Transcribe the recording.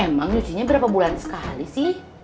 emang nyucinya berapa bulan sekali sih